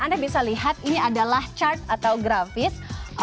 anda bisa lihat ini adalah chart atau grafis